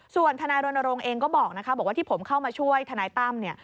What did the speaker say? ส่วนทนายรณรงค์เองก็บอกนะคะบอกว่าที่ผมเข้ามาช่วยทนายตั้มเนี่ย